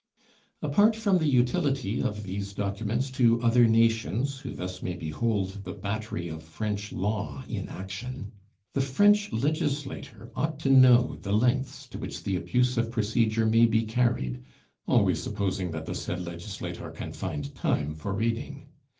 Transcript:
Apart from the utility of these documents to other nations who thus may behold the battery of French law in action, the French legislator ought to know the lengths to which the abuse of procedure may be carried, always supposing that the said legislator can find time for reading.